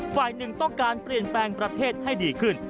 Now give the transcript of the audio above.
ฝ่ายหนึ่งต้องการเปลี่ยนแปลงประเทศให้ดีขึ้น